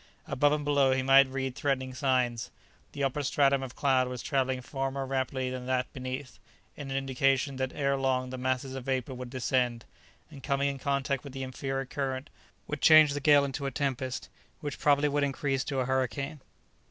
Above and below he might have read threatening signs. The upper stratum of cloud was travelling far more rapidly than that beneath, an indication that ere long the masses of vapour would descend, and, coming in contact with the inferior current, would change the gale into a tempest, which probably would increase to a hurricane.